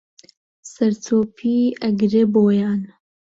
سەرچۆپی ئەگرێ بۆیان